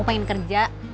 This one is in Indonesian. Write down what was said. apa yang kerja